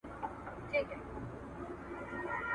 لومړنۍ زده کړې یې په خپل کلي کې کړې دي.